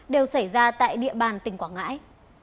đều xảy ra tại địa bàn tỉnh quảng ngãi